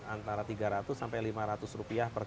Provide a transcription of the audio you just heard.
antara tiga ratus sampai lima ratus rupiah per tiga